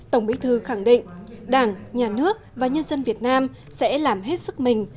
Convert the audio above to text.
tổng bí thư khẳng định đảng nhà nước và nhân dân việt nam sẽ làm hết sức mình